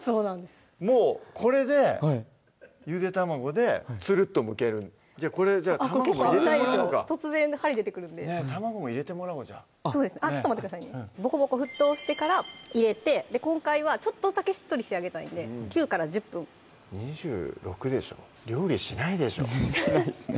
もうこれでゆで卵でツルッとむけるこれじゃあ卵も入れてもらおうか卵も入れてもらおうじゃあそうですねちょっと待ってくださいねボコボコ沸騰してから入れて今回はちょっとだけしっとり仕上げたいんで９１０分２６でしょ料理しないでしょしないですね